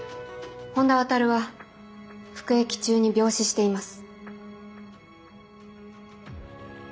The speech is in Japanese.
本田亘は服役中に病死しています。